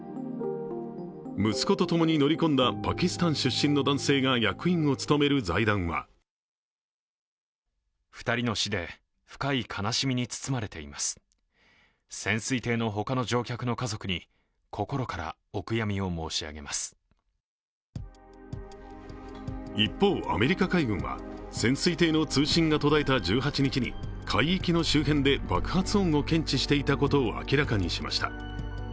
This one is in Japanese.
息子とともに乗り込んだパキスタン出身の男性が役員を務める財団は一方、アメリカ海軍は、潜水艇の通信が途絶えた１８日に海域の周辺で爆発音を検知していたことを明らかにしました。